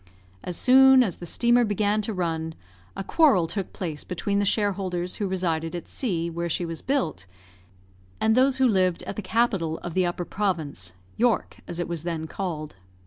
As soon as the steamer began to run, a quarrel took place between the shareholders who resided at C , where she was built, and those who lived at the capital of the Upper Province York, as it was then called.